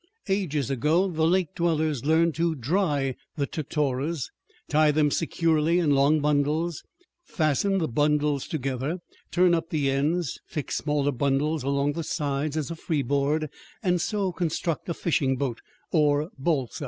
Ages ago the lake dwellers learned to dry the totoras, tie them securely in long bundles, fasten the bundles together, turn up the ends, fix smaller bundles along the sides as a free board, and so construct a fishing boat, or balsa.